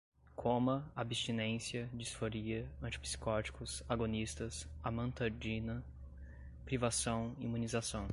coma, abstinência, disforia, antipsicóticos, agonistas, amantadina, privação, imunização